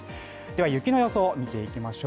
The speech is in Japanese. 雪の予想、見ていきましょう。